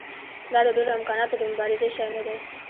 دا د ډېرو امکاناتو د مبارزې شی نه دی.